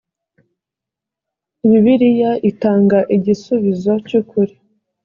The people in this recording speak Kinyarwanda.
bibiliya itanga igisubizo cy’ukuri